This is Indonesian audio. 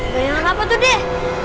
bayangin apa tuh dek